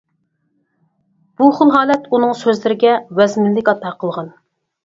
بۇ خىل ھالەت ئۇنىڭ سۆزلىرىگە ۋەزمىنلىك ئاتا قىلغان.